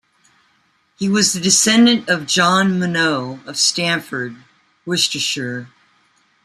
He was a descendant of John Monoux of Stanford, Worcestershire.